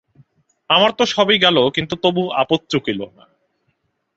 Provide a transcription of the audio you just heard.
আমার তো সবই গেল কিন্তু তবু আপদ চুকিল না।